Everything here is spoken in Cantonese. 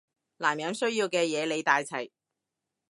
男人需要嘅嘢你帶齊